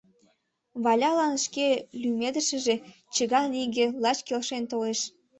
Валялан шке лӱмедышыже — Чыган иге — лач келшен толеш.